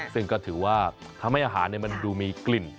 ซึ่งก็ถือว่าทำให้อาหารมันดูมีกลิ่น